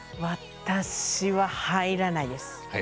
私は入らないです。